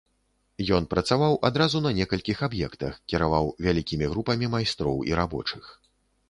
Ён працаваў адразу на некалькіх аб'ектах, кіраваў вялікімі групамі майстроў і рабочых.